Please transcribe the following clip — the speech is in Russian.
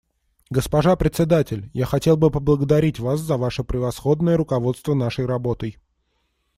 Госпожа Председатель, я хотел бы поблагодарить вас за ваше превосходное руководство нашей работой.